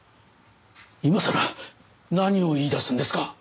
今さら何を言い出すんですか！